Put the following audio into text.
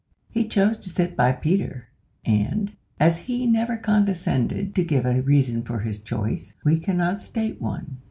He chose to sit beside Peter, and, as he never condescended to give a reason for his choice, we cannot state one.